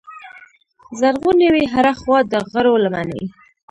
زرغونې وې هره خوا د غرو لمنې